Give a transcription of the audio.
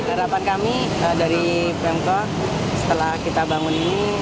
harapan kami dari pemkot setelah kita bangun ini